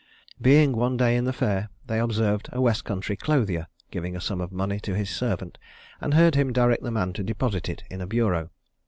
Being one day in the fair, they observed a west country clothier giving a sum of money to his servant, and heard him direct the man to deposit it in a bureau.